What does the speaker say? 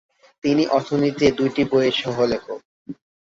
তিনি অর্থনীতিতে দুটি বইয়ের সহ-লেখক।